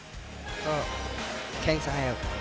ก็แข้งซ้ายครับ